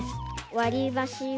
わりばしを。